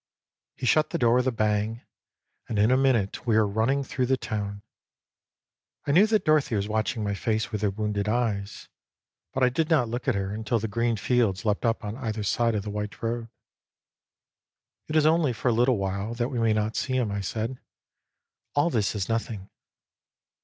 He shut the door with a bang, and in a minute we were running through the town. I knew that Dorothy was watching my face with her wounded eyes; but I did not look at her until the green fields leapt up on either side of the white road. " It is only for a little while that we may not see him," I said ;" all this is nothing."